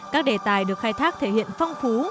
các đề tài được khai thác thể hiện phong phú